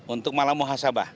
untuk malam muhasabah